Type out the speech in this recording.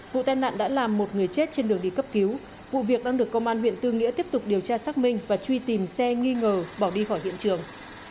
vụ tai nạn đã làm một người chết trên đường đi cấp cứu vụ việc đang được công an huyện tư nghĩa tiếp tục điều tra xác minh và truy tìm xe nghi ngờ bỏ đi khỏi hiện trường